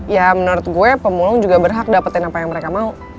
ya menurut gue pemulung juga berhak dapetin apa yang mereka mau